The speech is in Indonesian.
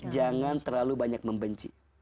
jangan terlalu banyak membenci